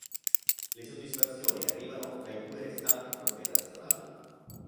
Le soddisfazioni arrivano dai due restanti trofei nazionali.